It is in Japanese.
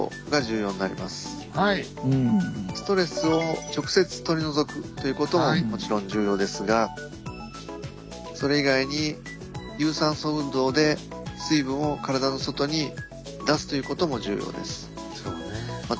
ストレスを直接取り除くということももちろん重要ですがそれ以外に有酸素運動で水分を体の外に出すということも重要です。